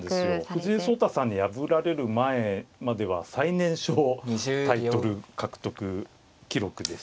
藤井聡太さんに破られる前までは最年少タイトル獲得記録でしたからね。